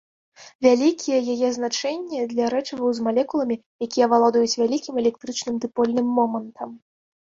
Вялікія яе значэнне для рэчываў з малекуламі, якія валодаюць вялікім электрычным дыпольным момантам.